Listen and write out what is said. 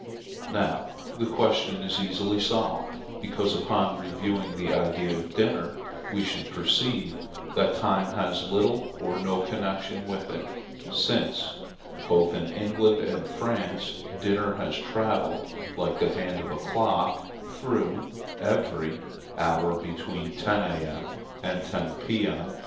Now the question is easily solved: because, upon reviewing the idea of dinner, we soon perceive that time has little or no connection with it: since, both in England and France, dinner has travelled, like the hand of a clock, through every hour between ten, A.M. and ten, P.M.